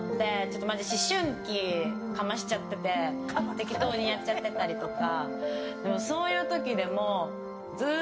適当にやっちゃってたりとか。